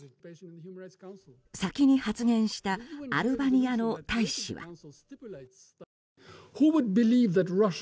先に発言したアルバニアの大使は。